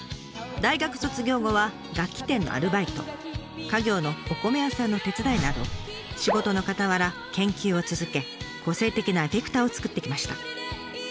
大学卒業後は楽器店のアルバイト家業のお米屋さんの手伝いなど仕事のかたわら研究を続け個性的なエフェクターをつくってきました。